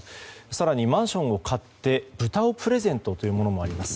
更にマンションを買って豚をプレゼントというものもあります。